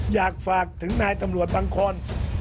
อยากฝากถึงนายตำรวจบางคน